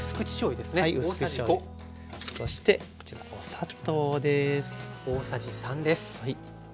そしてこちらお砂糖です。